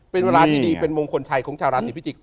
เป็นเวลาที่ดีเป็นมงคลชัยของชาวราศีพิจิกษ